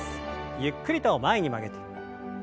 ゆっくりと前に曲げて。